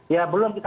ya belum kita